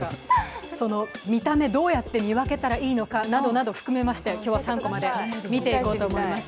その見た目、どうやって見分けたらいいのかを含めまして今日は３コマで見ていこうと思います。